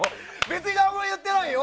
別に何も言ってないよ？